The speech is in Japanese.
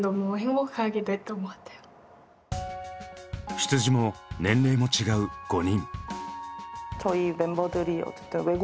出自も年齢も違う５人。